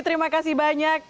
terima kasih banyak